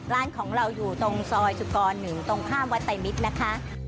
ร้านของเราอยู่ตรงซอยสุกร๑ตรงข้ามวัดไตรมิตรนะคะ